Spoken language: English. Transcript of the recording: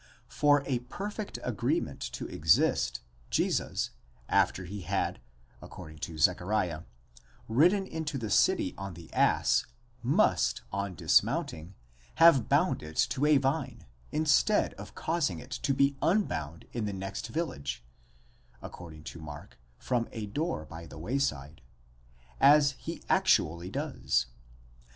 For a perfect agreement to exist, Jesus, after he had, according to Zechariah, ridden into the city on the ass, must on dismounting, have bound it to a vine, instead of causing it to be unbound in the next village (according to Mark, from a door by the way side) as he actually does.